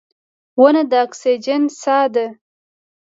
• ونه د اکسیجن ساه ده.